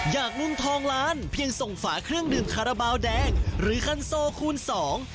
กลุ่มทองล้านเพียงส่งฝาเครื่องดื่มคาราบาลแดงหรือคันโซคูณสอง